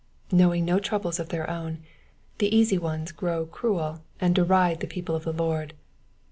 '* Knowing no troubles of their own, the easy ones grow cruel and deride the people of the Lord.